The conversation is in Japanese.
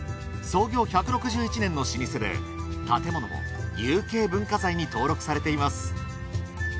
創業１６１年の老舗で建物も有形文化財に登録されています。